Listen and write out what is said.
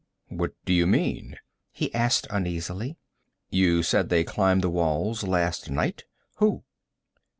'What do you mean?' he asked uneasily. 'You said they climbed the walls last night? Who?'